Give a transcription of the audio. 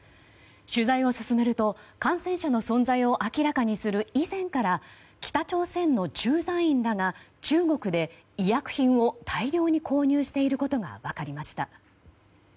取材を進めると感染者の存在を明らかにする以前から北朝鮮の駐在員らが中国で医薬品を大量に購入していることが分かりました。